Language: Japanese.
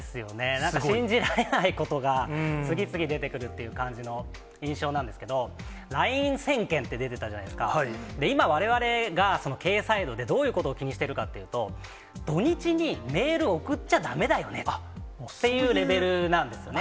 なんか信じられないことが次々出てくるっていう感じの印象なんですけど、ＬＩＮＥ１０００件って出てたじゃないですか、今、われわれが経営サイドで、どういうことを気にしているかっていうと、土日にメール送っちゃだめだよねっていうレベルなんですね。